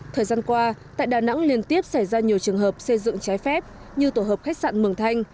thời gian qua tại đà nẵng liên tiếp xảy ra nhiều trường hợp xây dựng trái phép như tổ hợp khách sạn mường thanh